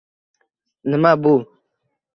Nima bu?